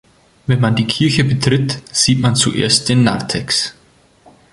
Wenn man die Kirche betritt, sieht man zuerst den Narthex.